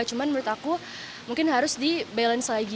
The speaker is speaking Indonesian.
cuma menurut aku mungkin harus di balance balance aja ya